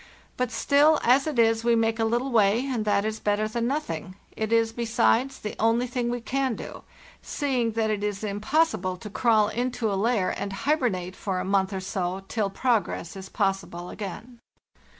But still, as it is we make a little way, and that is better than nothing; it is, besides, the only thing we can do, seeing that it is impossible to crawl into a lair and hibernate for a month or so till progress is possible again.